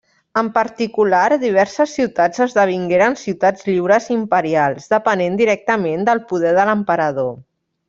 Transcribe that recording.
En particular, diverses ciutats esdevingueren ciutats lliures imperials, depenent directament del poder de l'emperador.